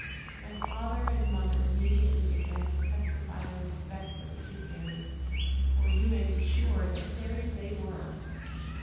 "My father and mother immediately began to testify their respect for the two fairies for you may be sure that fairies they were.